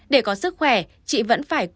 để có sức khỏe chị vẫn phải